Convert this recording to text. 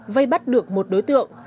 vây bắt được một đối tượng